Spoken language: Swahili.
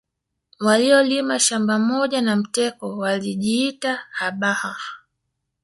Waliolima shamba moja na Mteko walijiita Abhaha